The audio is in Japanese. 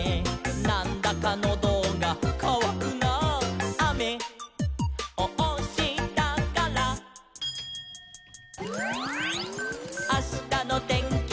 「『なんだかノドがかわくなあ』」「あめをおしたから」「あしたのてんきは」